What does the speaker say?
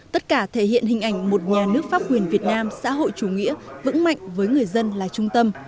tất cả thể hiện hình ảnh một nhà nước pháp quyền việt nam xã hội chủ nghĩa vững mạnh với người dân là trung tâm